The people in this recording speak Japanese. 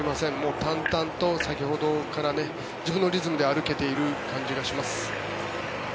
淡々と先ほどから自分のリズムで歩けている感じがします。